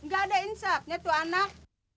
gak ada insapnya tuh anak